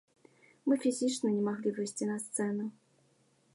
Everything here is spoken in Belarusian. Мы фізічна не маглі выйсці на сцэну.